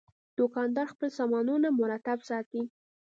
دوکاندار خپل سامانونه مرتب ساتي.